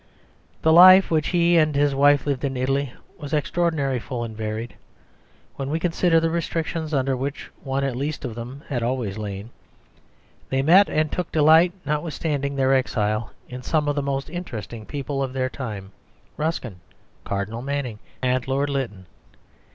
The life which he and his wife lived in Italy was extraordinarily full and varied, when we consider the restrictions under which one at least of them had always lain. They met and took delight, notwithstanding their exile, in some of the most interesting people of their time Ruskin, Cardinal Manning, and Lord Lytton.